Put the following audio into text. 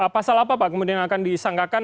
pasal apa pak kemudian yang akan disangkakan